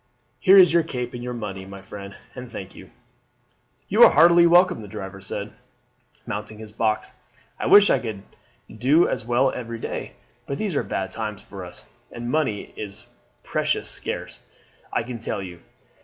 Here is your cape and your money, my friend, and thank you." "You are heartily welcome," the driver said, mounting his box. "I wish I could do as well every day; but these are bad times for us, and money is precious scarce, I can tell you."